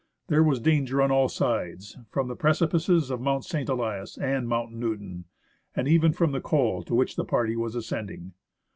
There was danger on all sides, from the pre cipices of Mount St. Elias and Mount Newton, and even from the col to which the party was ascending.